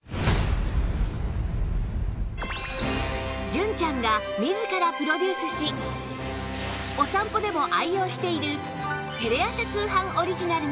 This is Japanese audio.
純ちゃんが自らプロデュースしお散歩でも愛用している